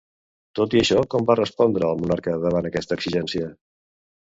Tot i això, com va respondre el monarca davant aquesta exigència?